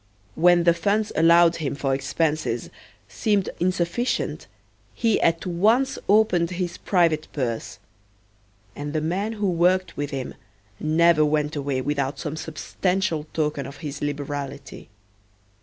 When the funds allowed him for expenses seemed insufficient, he at once opened his private purse; and the men who worked with him never went away without some substantial token of his liberality.